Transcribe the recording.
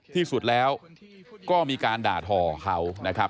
ที่สุดแล้วก็มีการด่าทอเขานะครับ